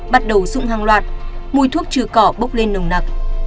bắt đầu sụng hàng loạt mùi thuốc trừ cỏ bốc lên nồng nặc